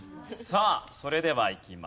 さあそれではいきます。